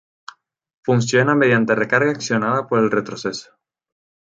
Funciona mediante recarga accionada por el retroceso.